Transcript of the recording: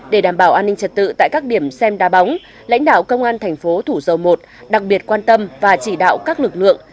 để đảm bảo an ninh trật tự tại các điểm xem đa bóng lãnh đạo công an thành phố thủ dầu một đặc biệt quan tâm và chỉ đạo các lực lượng